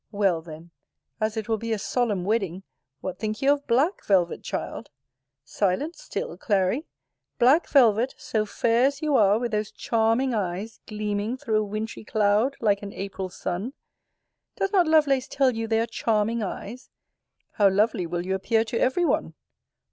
Well then, as it will be a solemn wedding, what think you of black velvet, child? Silent still, Clary? Black velvet, so fair as you are, with those charming eyes, gleaming through a wintry cloud, like an April sun! Does not Lovelace tell you they are charming eyes? How lovely will you appear to every one!